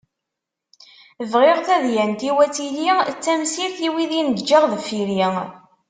Bɣiɣ tadyant-iw ad tili d tamsirt i wid i n-ǧǧiɣ deffir-i.